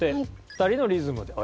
「二人のリズムで」